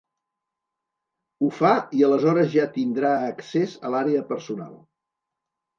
Ho fa i aleshores ja tindrà accés a l'àrea personal.